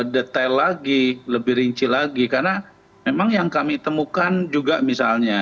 detail lagi lebih rinci lagi karena memang yang kami temukan juga misalnya